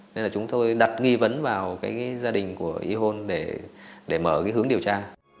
nên là chúng tôi đặt nghi vấn vào gia đình của y hôn để mở hướng điều tra